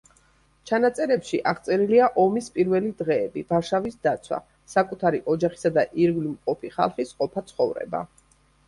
ჩანაწერებში აღწერილია ომის პირველი დღეები, ვარშავის დაცვა, საკუთარი ოჯახისა და ირგვლივ მყოფი ხალხის ყოფა-ცხოვრება.